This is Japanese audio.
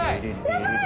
やばい！